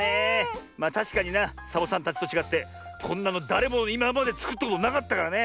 まあたしかになサボさんたちとちがってこんなのだれもいままでつくったことなかったからね。